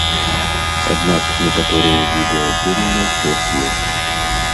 Аднак некаторыя віды адзення ўсё ж ёсць.